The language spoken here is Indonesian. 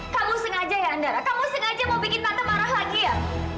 kamu sengaja ya andara kamu sengaja mau bikin tante marah lagi ya